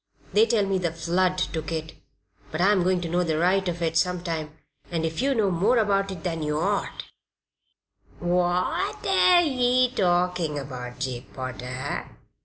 They tell me the flood took it. But I'm going to know the right of it some time, and if you know more about it than you ought " "What air ye talkin' about, Jabe Potter?"